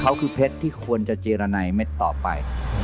เขาคือเพชรที่ควรจะเจรนัยเม็ดต่อไป